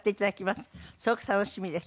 すごく楽しみです。